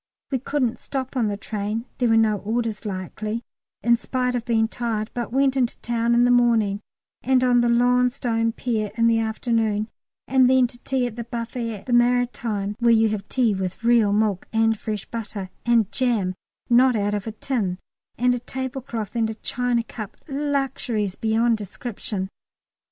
We couldn't stop on the train (there were no orders likely), in spite of being tired, but went in the town in the morning, and on the long stone pier in the afternoon, and then to tea at the buffet at the Maritime (where you have tea with real milk and fresh butter, and jam not out of a tin, and a tablecloth, and a china cup luxuries beyond description).